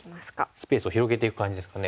スペースを広げていく感じですかね。